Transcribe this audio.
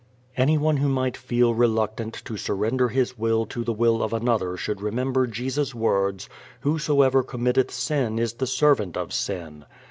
Anyone who might feel reluctant to surrender his will to the will of another should remember Jesus' words, "Whosoever committeth sin is the servant of sin."